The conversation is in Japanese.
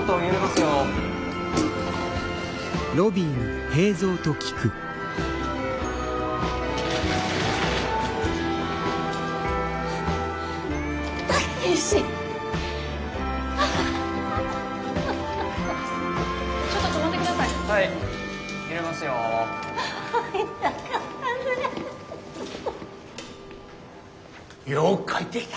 よう帰ってきた！